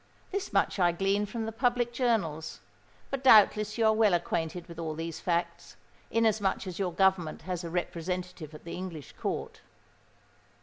This much I glean from the public journals; but doubtless you are well acquainted with all these facts, inasmuch as your government has a representative at the English court.